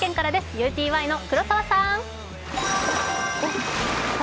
ＵＴＹの黒澤さん。